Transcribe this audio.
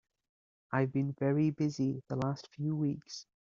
I've been very busy the last few weeks.